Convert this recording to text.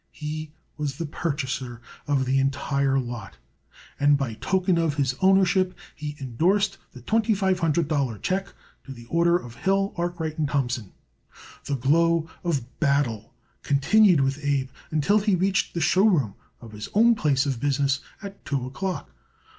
He was the purchaser of the entire lot, and by token of his ownership he indorsed the twenty five hundred dollar check to the order of Hill, Arkwright & Thompson. The glow of battle continued with Abe until he reached the show room of his own place of business at two o'clock.